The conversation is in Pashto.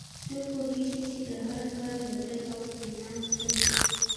څوک پوهیږي چې د هر کار بدل او انعام څه وي